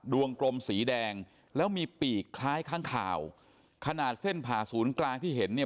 วงกลมสีแดงแล้วมีปีกคล้ายข้างข่าวขนาดเส้นผ่าศูนย์กลางที่เห็นเนี่ย